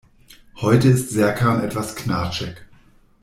Heute ist Serkan etwas knatschig.